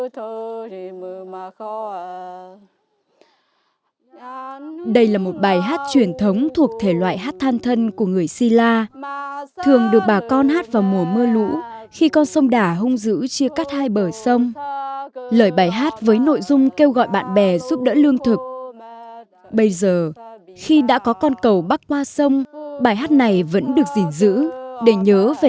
tôi học hỏi được rất nhiều bài hát dân ca si la từ các nghệ nhân còn một số bài khác thì tự học sau đó về tự tập múa và hát cùng nhau